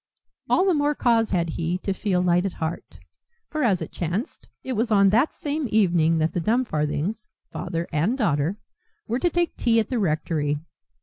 All the more cause had he to feel light at heart, for as it chanced, it was on that same evening that the Dumfarthings, father and daughter, were to take tea at the rectory.